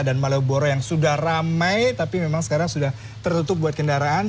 dan malewboro yang sudah ramai tapi memang sekarang sudah tertutup buat kendaraan